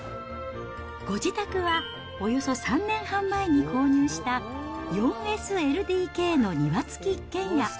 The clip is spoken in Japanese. ご自宅はおよそ３年半前に購入した４ＳＬＤＫの庭付き一軒家。